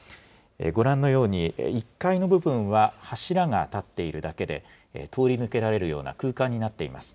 ご覧のように、１階の部分は柱がたっているだけで、通り抜けられるような空間になっています。